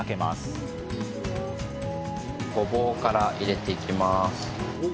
ごぼうから入れていきます。